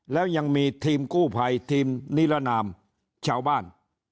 แล้วยังมีทีมกู้ภัยทีมนิรนามชาวบ้าน